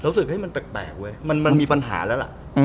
รู้สึกมันแปลกเหมือนมีปัญหาแล้ว